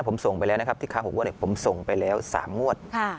ผมส่งไปแล้วนะครับที่ค้างหกวัดเนี้ยผมส่งไปแล้วสามงวดค่ะ